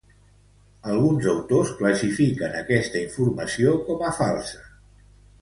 Alguns autors classifiquen aquesta informació com a falsa.